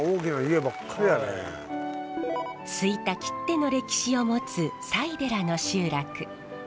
吹田きっての歴史を持つ佐井寺の集落。